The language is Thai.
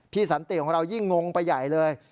สันติของเรายิ่งงงไปใหญ่เลย